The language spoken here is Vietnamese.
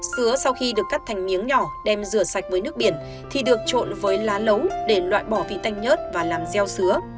sứa sau khi được cắt thành miếng nhỏ đem rửa sạch với nước biển thì được trộn với lá lấu để loại bỏ vị tanh nhớt và làm gieo sứa